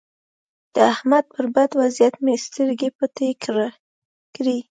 د احمد پر بد وضيعت مې سترګې پټې کړې.